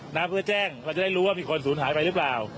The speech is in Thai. นะเพื่อแจ้งเราจะได้รู้ว่ามีคนสูญหายไปหรือเปล่า